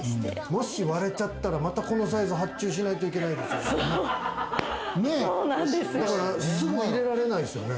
もし割れちゃったら、このサイズ発注しないといけないですね。